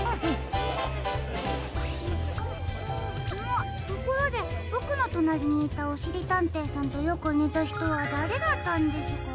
あところでボクのとなりにいたおしりたんていさんとよくにたひとはだれだったんですか？